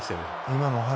今のお話